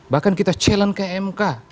bahkan kita challenge kmk